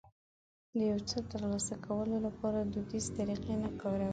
د يو څه ترسره کولو لپاره دوديزې طريقې نه کاروي.